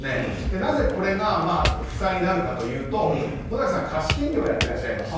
なぜ、これが負債になるかというと野崎さんは貸金業をやっていらっしゃいました。